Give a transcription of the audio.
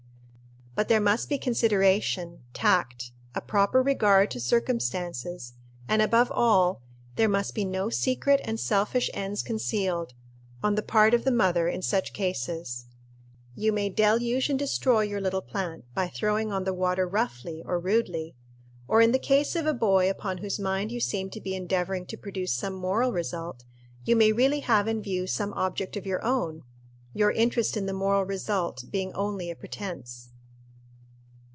But there must be consideration, tact, a proper regard to circumstances, and, above all, there must be no secret and selfish ends concealed, on the part of the mother in such cases. You may deluge and destroy your little plant by throwing on the water roughly or rudely; or, in the case of a boy upon whose mind you seem to be endeavoring to produce some moral result, you may really have in view some object of your own your interest in the moral result being only a pretense.